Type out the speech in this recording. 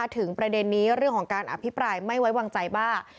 ถึงประเด็นนี้เรื่องของการอภิปรายไม่ไว้วางใจบ้า